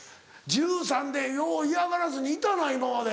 １３でよう嫌がらずにいたな今まで。